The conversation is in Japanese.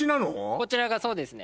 こちらがそうですね。